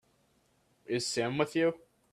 Is Sam with you?